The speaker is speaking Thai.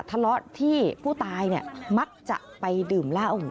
ทะเลาะที่ผู้ตายมักจะไปดื่มเหล้าอยู่